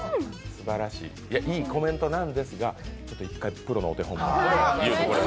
言いコメントなんですが１回、プロのお手本を。